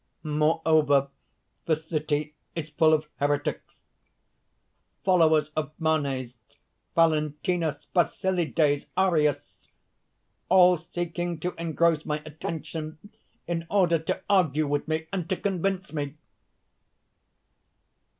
Moreover, the city is full of heretics followers of Manes; Valentinus, Basilides, Arius all seeking to engross my attention in order to argue with me and to convince me.